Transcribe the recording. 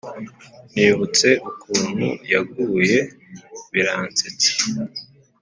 Nibutse ukuntu yaguye biransetsa